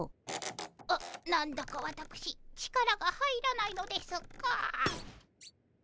な何だかわたくし力が入らないのですが。